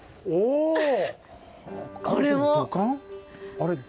あれ。